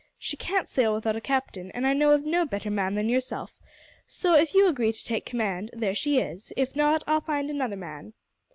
She can't sail without a captain, and I know of no better man than yourself; so, if you agree to take command, there she is, if not I'll find another man."